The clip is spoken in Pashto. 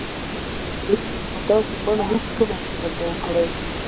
ده يې په داسې بڼه هېڅکله فکر نه و کړی.